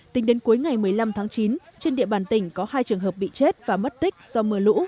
tính đến cuối ngày một mươi năm tháng chín trên địa bàn tỉnh có hai trường hợp bị chết và mất tích do mưa lũ